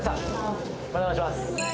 またお願いします。